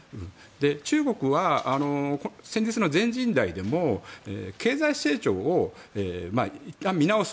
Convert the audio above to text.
中国は、先日の全人代でも経済成長をいったん見直す。